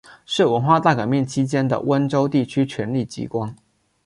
是文化大革命期间的温州地区权力机关。